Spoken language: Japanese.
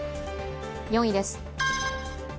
４位です。